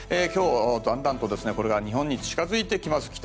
今日だんだんとこれが日本に近づいてきます。